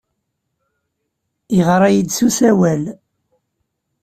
Yeɣra-iyi-d s usawal.